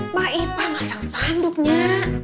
pak ipa masang spanduknya